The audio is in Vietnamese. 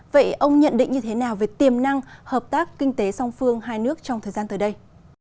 vậy ông nhận định như thế nào về tiềm năng hợp tác kinh tế song phương hai nước trong thời gian tới đây